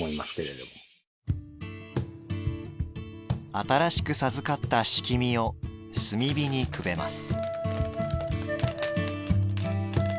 新しく授かった樒を炭火にくべます。